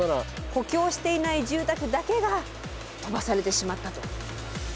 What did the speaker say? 補強していない住宅だけが飛ばされてしまったと。